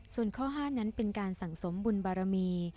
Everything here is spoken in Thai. ส่วนข้อ๕นั้นเป็นการสั่งสมบุญบารมี